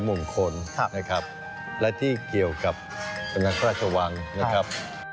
หนึ่งไม้มงคลนะครับและที่เกี่ยวกับนักราชวังนะครับ